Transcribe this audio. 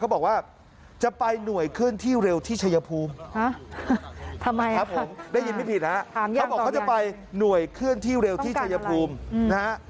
บอกว่าจะไปหน่วยเคลื่อนที่เร็วที่ชัยภูมิทำไมครับผมได้ยินไม่ผิดฮะเขาบอกเขาจะไปหน่วยเคลื่อนที่เร็วที่ชายภูมินะฮะ